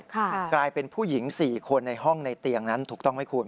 กลายเป็นผู้หญิง๔คนในห้องในเตียงนั้นถูกต้องไหมคุณ